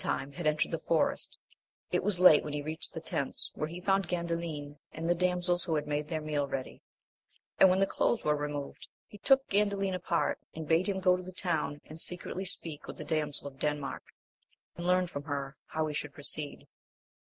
time, had entered the forest ; it was late when he reached the tents, where he found Gandalin and the damsels who had made their meal ready ; and when the cloths were removed, he took Gandalin apart, and bade him go to the town and secretly speak with the damsel of Denmark, and learn from her how he should proceed.